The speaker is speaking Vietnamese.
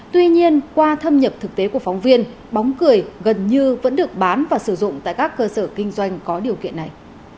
tuy nhiên qua thâm nhập thực tế của phóng viên bóng cười gần như vẫn được bán và sử dụng tại các cơ sở kinh doanh có điều kiện này